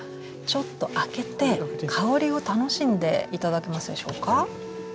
ちょっと開けて香りを楽しんで頂けますでしょうか。